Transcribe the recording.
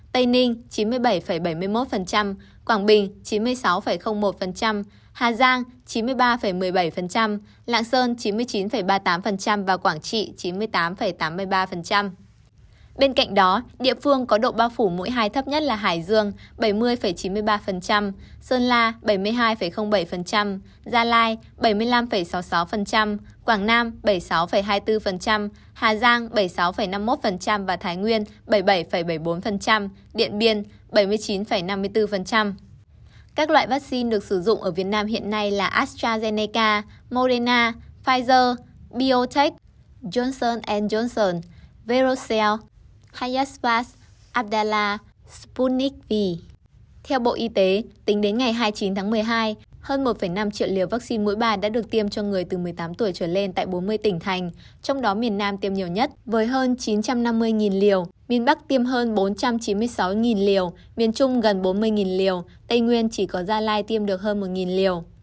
tính đến ngày hai mươi chín tháng một mươi hai hơn một năm triệu liều vaccine mũi ba đã được tiêm cho người từ một mươi tám tuổi trở lên tại bốn mươi tỉnh thành trong đó miền nam tiêm nhiều nhất với hơn chín trăm năm mươi liều miền bắc tiêm hơn bốn trăm chín mươi sáu liều miền trung gần bốn mươi liều tây nguyên chỉ có gia lai tiêm được hơn một liều